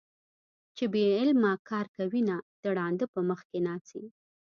چې بې علمه کار کوينه - د ړانده په مخ کې ناڅي